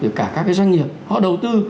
cả các doanh nghiệp họ đầu tư